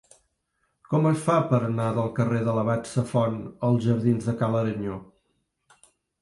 Com es fa per anar del carrer de l'Abat Safont als jardins de Ca l'Aranyó?